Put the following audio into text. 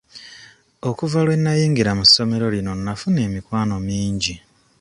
Okuva lwe nayingira mu ssomero lino nafuna emikwano mingi.